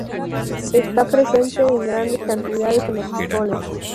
Está presente en grandes cantidades en los frijoles.